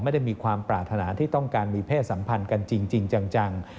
ไม่ได้มีความปรารถนาที่ต้องการมีเพศสัมพันธ์กันจริงจัง